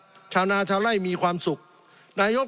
สงบจนจะตายหมดแล้วครับ